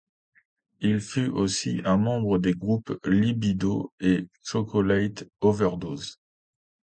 Il fut aussi un membre des groupes Libido et Chocolate Overdose.